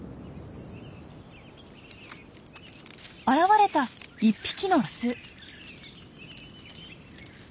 現れた１匹のオス。